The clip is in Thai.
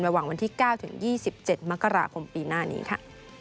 ระหว่างวันที่๙ถึง๒๗มกราคมปีหน้านี้ค่ะ